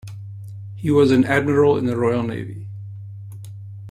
He was an admiral in the Royal Navy.